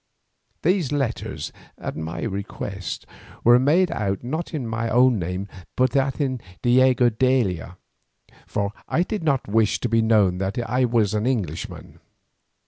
These letters at my request were made out not in my own name but in that of "Diego d'Aila," for I did not wish it to be known that I was an Englishman.